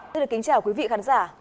xin kính chào quý vị khán giả